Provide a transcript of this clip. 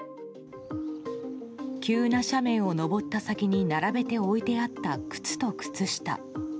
急な斜面を上った先に並べて置いてあった靴と靴下。